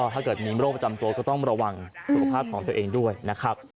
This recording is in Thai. ถ้าเกิดมีโรคประจำตัวก็ต้องระวังสุขภาพของตัวเองด้วยนะครับ